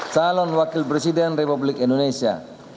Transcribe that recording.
salon wakil presiden republik indonesia